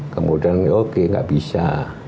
kemudian oke nggak bisa